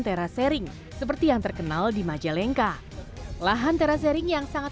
teras sering seperti yang terkenal di majalengka lahan teras sering yang sangat